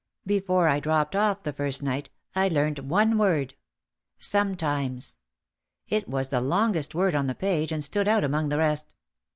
Before I dropped off the first night I learned one word, "Sometimes." It was the longest word on the page and stood out among the rest.